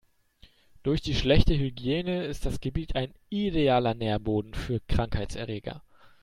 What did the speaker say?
Durch die schlechte Hygiene ist das Gebiet ein idealer Nährboden für Krankheitserreger.